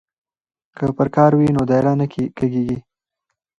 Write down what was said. که پرکار وي نو دایره نه کږیږي.